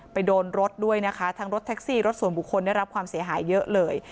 โดนรถด้วยนะคะทั้งรถแท็กซี่รถส่วนบุคคลได้รับความเสียหายเยอะเลย